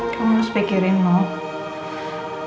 kamu harus pikirin nung